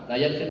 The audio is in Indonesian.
nah yang ketiga